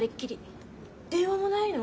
電話もないの？